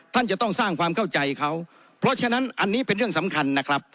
ท่านจะต้องสร้างความเข้าใจเขาเพราะฉะนั้นอันนี้เป็นเรื่องสำคัญนะครับ